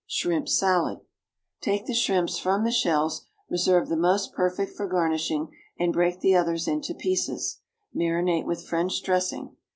=Shrimp Salad.= Take the shrimps from the shells, reserve the most perfect for garnishing, and break the others into pieces; marinate with French dressing.